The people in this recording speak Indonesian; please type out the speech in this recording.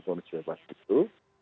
batalkan sebuah bebas gitu